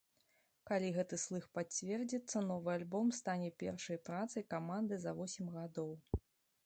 Калі гэты слых пацвердзіцца, новы альбом стане першай працай каманды за восем гадоў.